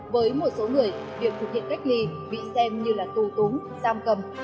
với một số người việc thực hiện cách ly bị xem như là tù túm giam cầm